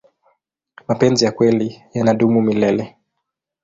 mapenzi ya kweli yanadumu milele